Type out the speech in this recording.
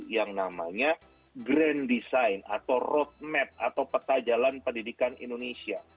yang namanya grand design atau roadmap atau peta jalan pendidikan indonesia